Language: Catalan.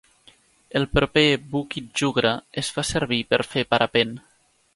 El proper Bukit Jugra es fa servir per fer parapent.